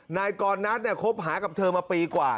นายกรนัทเนี่ยคบหากับเธอมาปีกว่า